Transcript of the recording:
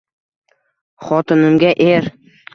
Xotinimga – er